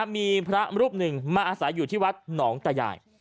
มีพระรูปหนึ่งมาอาศัยอยู่ที่วัดหนองตายาย